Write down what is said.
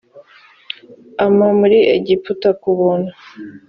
ama muri egiputa ku buntu